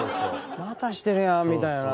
またしてるやんみたいな。